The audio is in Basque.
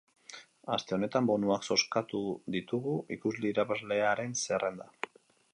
Aste honetan bonuak zozkatu ditugu, ikusi irabazleen zerrenda.